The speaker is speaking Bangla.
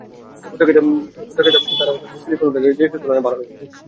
এরপর দেখা হয় কারা সিলিকন রিলেটেড রিয়েকশনের আগের তুলনায় ভাল করছে।